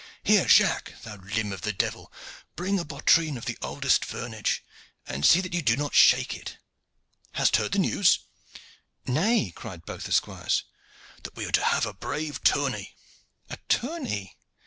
Here, Jacques, thou limb of the devil, bring a bottrine of the oldest vernage, and see that you do not shake it. Hast heard the news?" "Nay," cried both the squires. "That we are to have a brave tourney." "A tourney?"